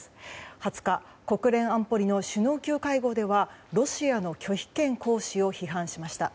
２０日、国連安保理の首脳級会合ではロシアの拒否権行使を批判しました。